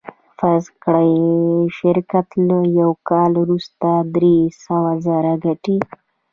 فرض کړئ شرکت له یوه کال وروسته درې سوه زره ګټي